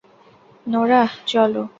Norah, চলো!